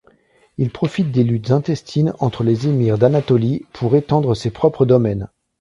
Il profite des luttes intestines entre les émirs d’Anatolie pour étendre ses propres domaines.